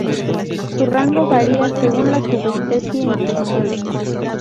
Su rango varía según la subespecie en cuestión.